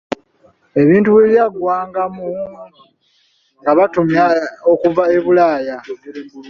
Ebintu bwe byaggwangamu nga batumya okuva e bulaaya.